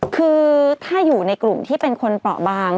คือถ้าอยู่ในกลุ่มที่เป็นคนเปราะบาง